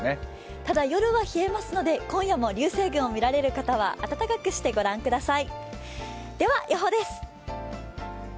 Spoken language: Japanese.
ただ、夜は冷えますので今夜も流星群を見られる方は暖かくしてご覧ください。